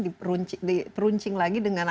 diperuncing lagi dengan